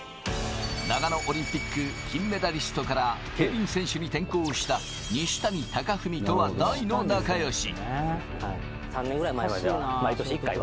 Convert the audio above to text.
長野オリンピック金メダリストから競輪選手に転向した西谷岳文とは大の仲良し。